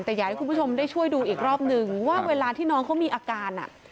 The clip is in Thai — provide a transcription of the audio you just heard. แต่อยากให้คุณผู้ชมได้ช่วยดูอีกรอบนึงว่าเวลาที่น้องเขามีอาการอ่ะ